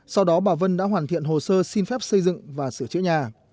sau đó bà vân đã hoàn thiện hồ sơ xin phép xây dựng và sửa chữa nhà